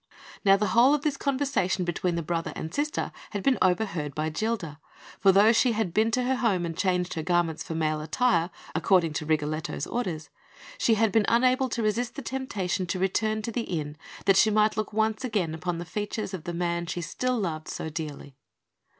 Now, the whole of this conversation between the brother and sister had been overheard by Gilda; for, though she had been to her home and changed her garments for male attire, according to Rigoletto's orders, she had been unable to resist the temptation to return to the inn that she might look once again upon the features of the man she still loved so dearly.